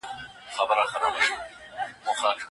د دولت ستونزي د هر چا لپاره ښکاره دي.